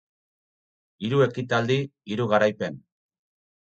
Hiru ekitaldi, hiru garaipen.